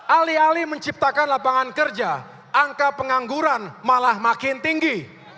alih alih menciptakan lapangan kerja angka pengangguran malah makin tinggi